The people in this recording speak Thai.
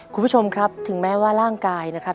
คุณผู้ชมครับถึงแม้ว่าร่างกายนะครับ